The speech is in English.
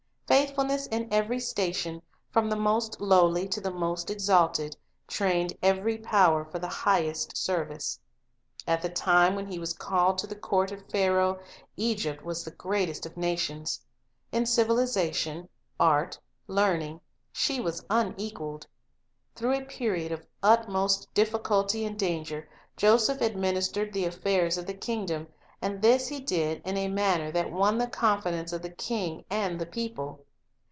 Faithfulness in every station, from the most lowly to the most exalted, trained every power for highest service. At the time when he was called to the court of Pharaoh, Egypt was the greatest of nations. In civili zation, art, learning, she was unequaled. Through a period of utmost difficulty and danger, Joseph admin istered the affairs of the kingdom; and this he did in a manner that won the confidence of the king and the people.